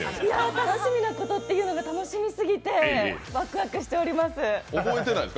楽しみなことっていうのが楽しみすぎでワクワクしております。